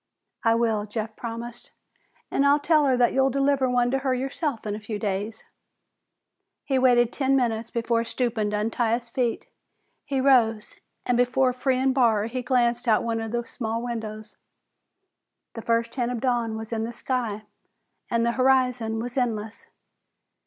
"I will," Jeff promised, "and I'll tell her that you'll deliver one to her yourself in a few days." He waited ten minutes before stooping to untie his feet. He rose, and before freeing Barr he glanced out of one of the small windows. The first hint of dawn was in the sky and the horizon was endless.